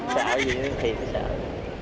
sợ gì cũng thêm cái sợ